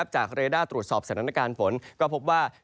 เรด้าตรวจสอบสถานการณ์ฝนก็พบว่า